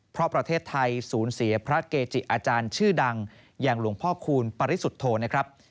เพราะประเทศไทยสูญเสียพระเกจิอาจารย์ชื่อดังอย่างหลวงพ่อคูณปริสุทธโธนะครับ